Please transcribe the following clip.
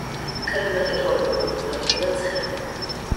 კლიმატი ტროპიკული, ნოტიო და ცხელი.